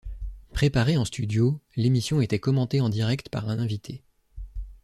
Préparée en studio, l’émission était commentée en direct par un invité.